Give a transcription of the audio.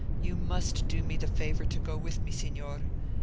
You must do me the favour to go with me, Signor.